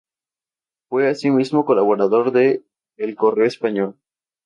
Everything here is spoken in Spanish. Fue asimismo colaborador de "El Correo Español".